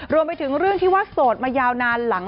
รวมไปถึงเรื่องที่ว่าโสดมายาวนานหลัง